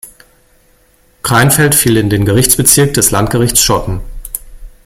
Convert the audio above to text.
Crainfeld viel in den Gerichtsbezirk des „Landgerichts Schotten“.